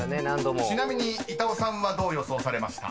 ［ちなみに板尾さんはどう予想されました？］